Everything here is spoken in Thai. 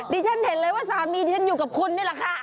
ฉันเห็นเลยว่าสามีที่ฉันอยู่กับคุณนี่แหละค่ะ